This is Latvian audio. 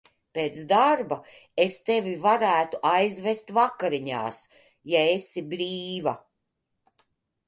Pēc darba es tevi varētu aizvest vakariņās, ja esi brīva.